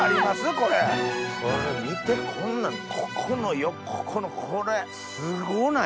これ見てこんなんここのこれ！すごない？